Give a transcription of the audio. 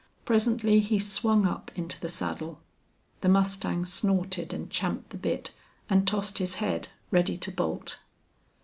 Presently he swung up into the saddle. The mustang snorted and champed the bit and tossed his head, ready to bolt.